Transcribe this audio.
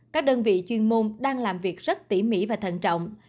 các đơn vị chuyên môn đang làm việc rất tỉ mỉ và thận trọng